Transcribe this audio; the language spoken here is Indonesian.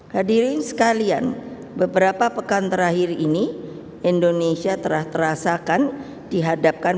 hadirin sekalian beberapa pekan terakhir ini indonesia terasakan dihadapkan